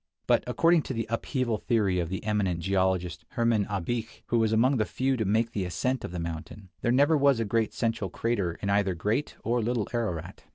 But according to the upheaval theory of the eminent geologist, Hermann Abich, who was among the few to make the ascent of the mountain, there never was a great central crater in either Great or Little Ararat.